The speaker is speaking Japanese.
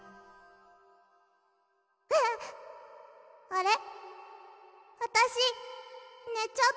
あれ？